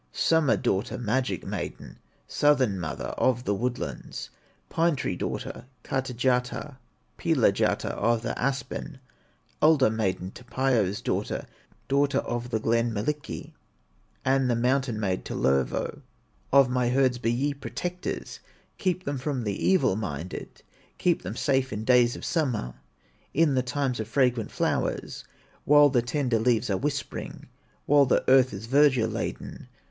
"Summer daughter, magic maiden, Southern mother of the woodlands, Pine tree daughter, Kateyatar, Pihlayatar, of the aspen, Alder maiden, Tapio's daughter, Daughter of the glen, Millikki, And the mountain maid, Tellervo, Of my herds be ye protectors, Keep them from the evil minded, Keep them safe in days of summer, In the times of fragrant flowers, While the tender leaves are whispering, While the Earth is verdure laden.